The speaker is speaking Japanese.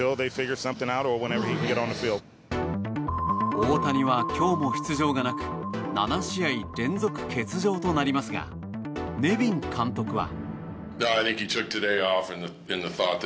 大谷は今日も出場がなく７試合連続欠場となりますがネビン監督は。